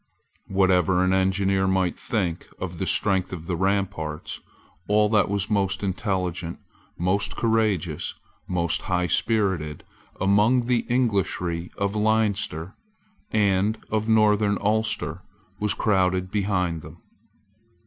Whatever an engineer might think of the strength of the ramparts, all that was most intelligent, most courageous, most highspirited among the Englishry of Leinster and of Northern Ulster was crowded behind them.